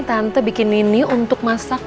tante bikin ini untuk masak